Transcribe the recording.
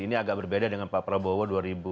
ini agak berbeda dengan pak prabowo